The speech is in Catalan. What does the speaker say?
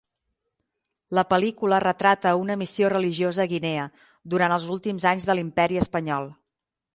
La pel·lícula retrata una missió religiosa a Guinea durant els últims anys de l'Imperi espanyol.